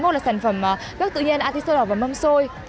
một là sản phẩm gốc tự nhiên artisoda và mâm xôi